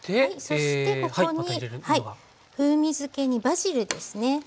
そしてここに風味づけにバジルですね。